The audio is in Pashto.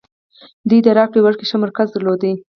دوی د راکړې ورکړې ښه مرکز درلود.